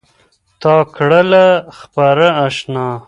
تـا كــړلــه خـــپـــره اشــــنـا